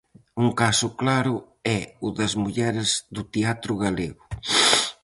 Un caso claro é o das mulleres do teatro galego.